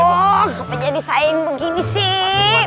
apa jadi saya yang begini sih